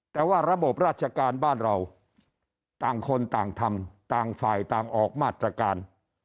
แต่ว่าระบบราชการบ้านเราต่างคนต่างทำต่างฝ่ายต่างออกมาตรการ